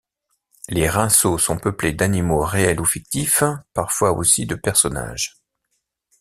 Les rinceaux sont peuplés d’animaux réels ou fictifs, parfois aussi de personnages.